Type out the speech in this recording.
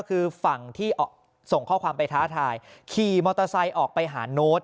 คือฝั่งที่ส่งข้อความไปท้าทายขี่มอเตอร์ไซค์ออกไปหาโน้ต